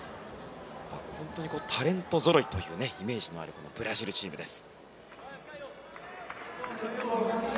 本当にタレントぞろいというイメージのあるブラジルチームです。